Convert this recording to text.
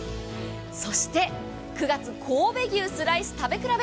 そして９月神戸牛スライス食べ比べ。